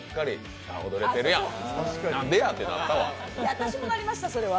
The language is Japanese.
私もなりました、それは。